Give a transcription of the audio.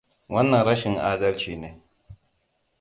Wannan rashin adalci ne.